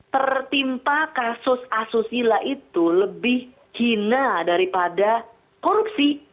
tertimpa kasus asusila itu lebih cina daripada korupsi